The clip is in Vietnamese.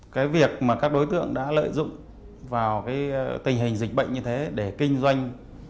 cái việc mà các đối tượng đã lợi dụng vào cái tình hình dịch bệnh như thế để kinh doanh